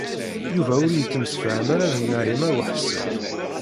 Yuba ur yettemsefham ara d Naɛima u Ḥsen.